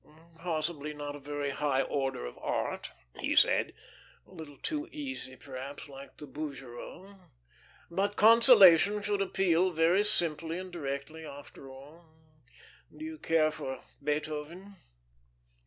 "Possibly not a very high order of art," he said; "a little too 'easy,' perhaps, like the Bougereau, but 'Consolation' should appeal very simply and directly, after all. Do you care for Beethoven?"